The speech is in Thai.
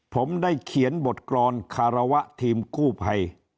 ผมได้เขียนบทกรอนคารวะทีมกู้ภัย